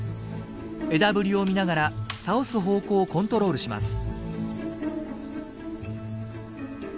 枝ぶりを見ながら倒す方向をコントロールします。